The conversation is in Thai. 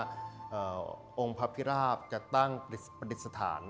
วงพระพิราบจะตั้งปฏิสถาน